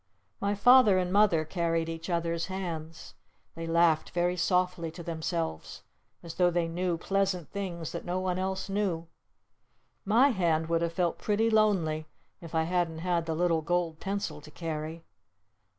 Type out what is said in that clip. My Father and Mother carried each other's hands. They laughed very softly to themselves as though they knew pleasant things that no one else knew. My hand would have felt pretty lonely if I hadn't had the little gold pencil to carry.